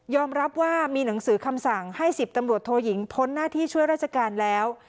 รับว่ามีหนังสือคำสั่งให้๑๐ตำรวจโทยิงพ้นหน้าที่ช่วยราชการแล้ว